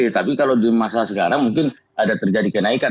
tapi kalau di masa sekarang mungkin ada terjadi kenaikan